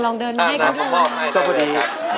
ลองเดินมาให้คุณเดิมนะครับก็พอดี